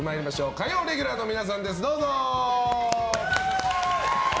火曜レギュラーの皆さんです。